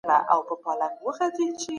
که هوا ورشي بوی یې ځي.